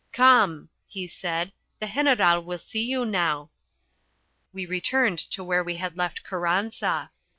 "Come," he said, "the General will see you now." We returned to where we had left Carranza.